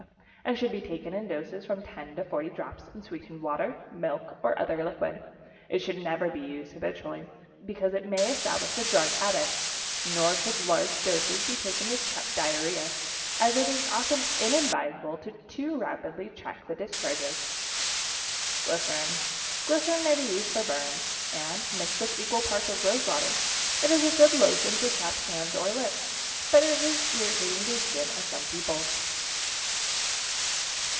and should be taken in doses of from 10 to 40 drops in sweetened water, milk, or other liquid. It never should be used habitually, because it may establish a drug habit; nor should large doses be taken to check diarrhoea, as it is often inadvisable to too rapidly check the discharges. =Glycerin.= Glycerin may be used for burns, and, mixed with equal parts of rose water, it is a good lotion for chapped hands or lips, but it is irritating to the skin of some people.